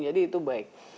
jadi itu baik